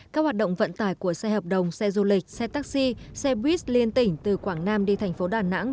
các hoạt động vận tải của xe hợp đồng xe du lịch xe taxi xe bus liên tỉnh từ quảng nam đi tp đà nẵng